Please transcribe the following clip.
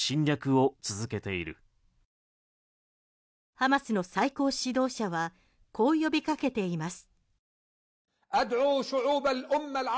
ハマスの最高指導者はこう呼びかけています。